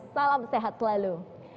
salam sehat selalu